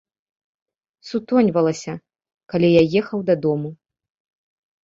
Сутоньвалася, калі я ехаў дадому.